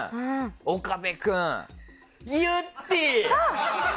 岡部君ゆってぃ！